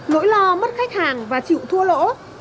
nỗi lo mất khách hàng và chịu thua lỗ